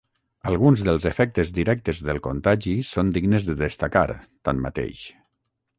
Alguns dels efectes directes del contagi són dignes de destacar, tanmateix.